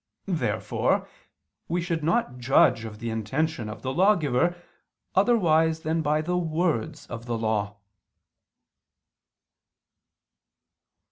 Therefore we should not judge of the intention of the lawgiver otherwise than by the words of the law.